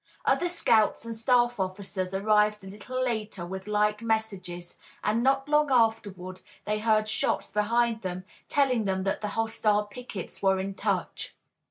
Other scouts and staff officers arrived a little later with like messages, and not long afterward they heard shots behind them telling them that the hostile pickets were in touch.